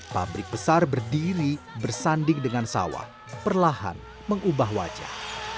pabrik besar berdiri bersanding dengan sawah perlahan mengubah wajah